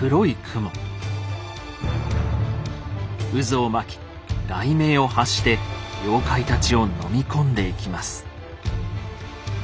渦を巻き雷鳴を発して妖怪たちをのみ込んでいきます。